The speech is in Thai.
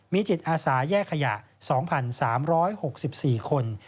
มีจิตอาสาแยกขยะ๒๓๖๔คน